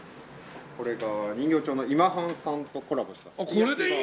これが人形町の今半さんとコラボしたすき焼きバーガー。